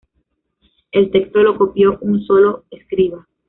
El texto lo copió un solo escriba.